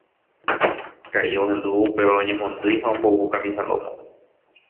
Ka'i ohendúvo upéva oñemondýi ha ombovu kamisa lómo.